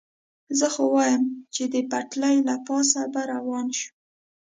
زه خو وایم، چې د پټلۍ له پاسه به روان شو.